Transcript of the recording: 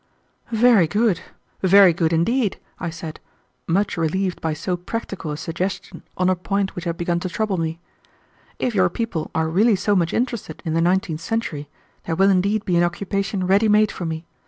"Very good! very good indeed," I said, much relieved by so practical a suggestion on a point which had begun to trouble me. "If your people are really so much interested in the nineteenth century, there will indeed be an occupation ready made for me.